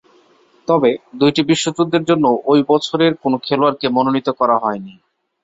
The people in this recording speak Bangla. তবে, দুইটি বিশ্বযুদ্ধের জন্য ঐ বছরের কোন খেলোয়াড়কে মনোনীত করা হয়নি।